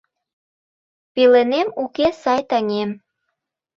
Пеленем уке сай таҥем.